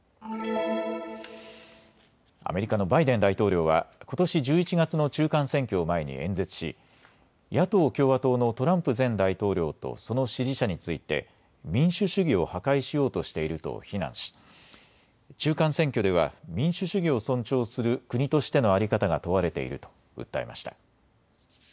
アメリカのバイデン大統領はことし１１月の中間選挙を前に演説し野党・共和党のトランプ前大統領とその支持者について民主主義を破壊しようとしていると非難し中間選挙では民主主義を尊重する国としての在り方が問われていると訴えました。